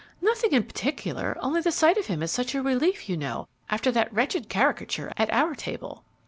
"Nothing in particular; only the sight of him is such a relief, you know, after that wretched caricature at our table."